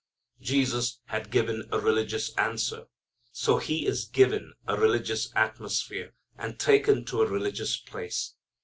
Jesus had given a religious answer. So He is given a religious atmosphere, and taken to a religious place.